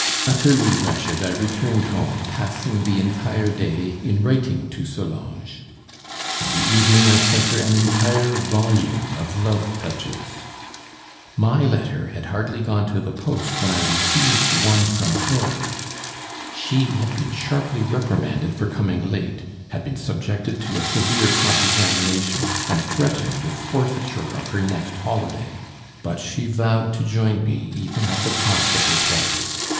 Utterly wretched, I returned home, passing the entire day in writing to Solange. In the evening I sent her an entire volume of love pledges. My letter had hardly gone to the post when I received one from her. She had been sharply reprimanded for coming late; had been subjected to a severe cross examination, and threatened with forfeiture of her next holiday. But she vowed to join me even at the cost of her place.